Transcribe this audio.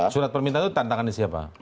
surat permintaan itu tantangannya siapa